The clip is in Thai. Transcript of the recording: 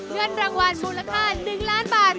เงินรางวัลมูลค่า๑ล้านบาท